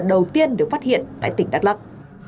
đầu tiên được phát hiện tại tỉnh đắk lắk